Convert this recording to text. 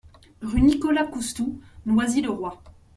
Rue Nicolas Coustou, Noisy-le-Roi